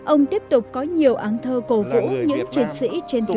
ông tiếp tục có nhiều bài thơ về người lính